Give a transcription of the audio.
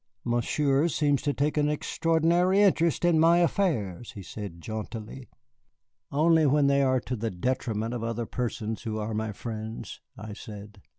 "Monsieur seems to take an extraordinary interest in my affairs," he said jauntily. "Only when they are to the detriment of other persons who are my friends," I said.